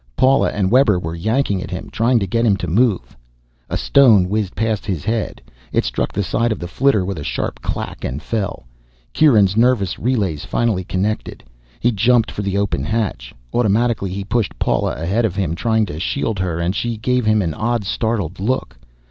Paula and Webber were yanking at him, trying to get him to move. A stone whizzed past his head. It struck the side of the flitter with a sharp clack, and fell. Kieran's nervous relays finally connected. He jumped for the open hatch. Automatically he pushed Paula ahead of him, trying to shield her, and she gave him an odd startled look.